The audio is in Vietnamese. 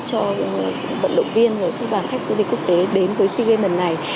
cho vận động viên và khách du lịch quốc tế đến với sea games lần này